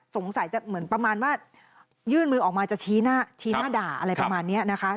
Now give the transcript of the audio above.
สงสัยจะเหมือนประมาณว่ายื่นมือออกมาจะชี้หน้าด่าอะไรประมาณนี้นะคะ